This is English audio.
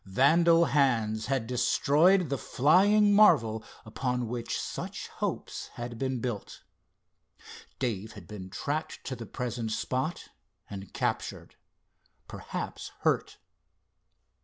Vandal hands had destroyed the flying marvel upon which such hopes had been built. Dave had been tracked to the present spot and captured; perhaps hurt.